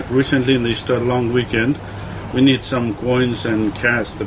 karena seperti di bulan bulan yang lama kita membutuhkan beberapa uang dan kartu